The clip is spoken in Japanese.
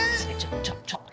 ちょっとちょっと！